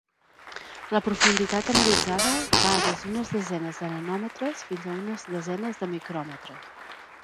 La profunditat analitzada va des d'unes desenes de nanòmetres fins a unes desenes de micròmetres.